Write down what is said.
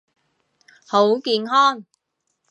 好健康！